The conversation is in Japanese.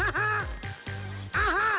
アハハ！